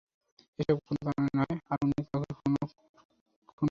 এসব কোনো কারণে নয়, আর উনি কাউকে খুনও করাননি।